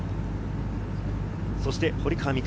そして堀川未来